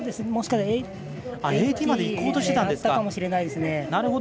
もしかしたら１８００までいこうとしてたかもしれないですね。